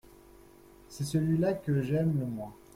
C’est celui-là que j’aime le moins.